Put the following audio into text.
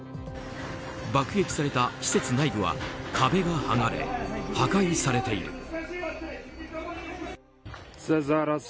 爆撃された施設内部は壁がはがれ破壊されている。